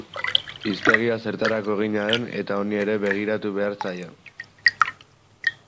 Hiztegia zertarako egina den eta honi ere begiratu behar zaio.